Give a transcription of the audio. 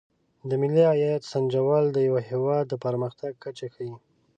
د ملي عاید سنجول د یو هېواد د پرمختګ کچه ښيي.